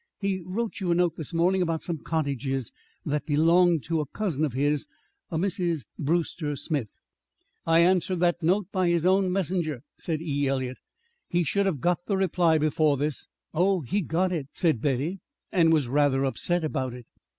He wrote you a note this morning about some cottages that belong to a cousin of his, Mrs. Brewster Smith." "I answered that note by his own messenger," said E. Eliot. "He should have got the reply before this." "Oh, he got it," said Betty, "and was rather upset about it.